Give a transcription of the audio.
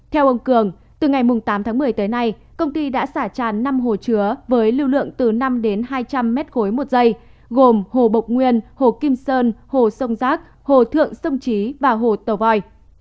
theo ông cường từ ngày tám tháng một mươi tới nay công ty đã xả tràn năm hồ chứa với lưu lượng từ năm đến hai trăm linh m ba một giây gồm hồ bộc nguyên hồ kim sơn hồ sông rác hồ thượng sông trí và hồ tàu voi